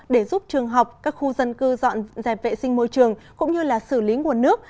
để giúp trường học các khu dân cư dọn dẹp vệ sinh môi trường cũng như là xử lý nguồn nước